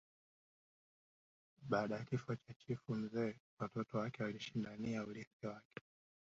Baada ya kifo cha chifu mzee watoto wake walishindania urithi wake